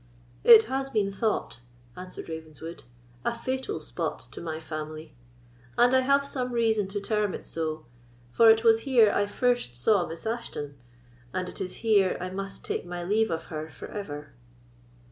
"It has been thought," answered Ravenswood, "a fatal spot to my family; and I have some reason to term it so, for it was here I first saw Miss Ashton; and it is here I must take my leave of her for ever."